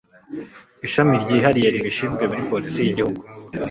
ishami ryihariye ribishinzwe muri polisi y'igihugu